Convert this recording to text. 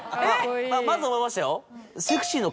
まず思いましたよ。